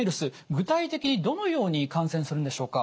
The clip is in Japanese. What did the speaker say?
具体的にどのように感染するんでしょうか？